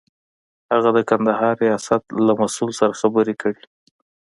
هغه د کندهار ریاست له مسئول سره خبرې کړې.